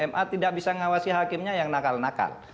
ma tidak bisa mengawasi hakimnya yang nakal nakal